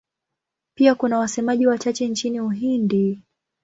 Pia kuna wasemaji wachache nchini Uhindi.